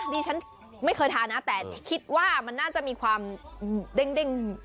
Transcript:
ดิฉันไม่เคยทานนะแต่คิดว่ามันน่าจะมีความเด้ง